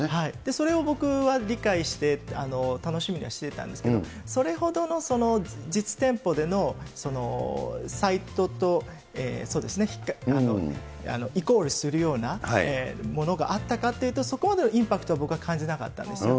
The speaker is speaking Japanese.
それを僕は理解して、楽しみにはしていたんですけれども、それほどの実店舗でのサイトと、そうですね、イコールするようなものがあったかっていうと、そこまでのインパクトは僕は感じなかったんですよ。